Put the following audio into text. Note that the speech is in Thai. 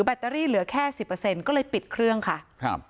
แตรี่เหลือแค่สิบเปอร์เซ็นต์ก็เลยปิดเครื่องค่ะครับ